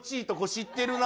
知ってるな。